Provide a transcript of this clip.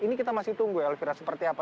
ini kita masih tunggu ya alvira seperti apa